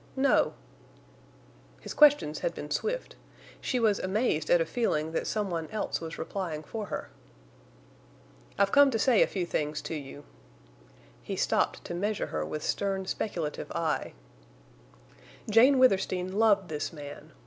"No." His questions had been swift. She was amazed at a feeling that some one else was replying for her. "I've come to say a few things to you." He stopped to measure her with stern, speculative eye. Jane Withersteen loved this man.